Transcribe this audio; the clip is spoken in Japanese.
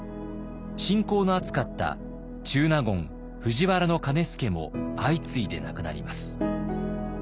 親交の厚かった中納言藤原兼輔も相次いで亡くなります。